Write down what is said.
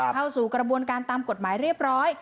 เข้าสู่กระบวนการตามกฎหมายเรียบร้อย